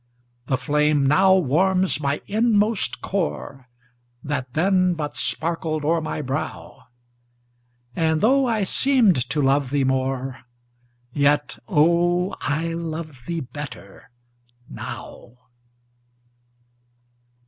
The flame now warms my inmost core, That then but sparkled o'er my brow, And, though I seemed to love thee more, Yet, oh, I love thee better now.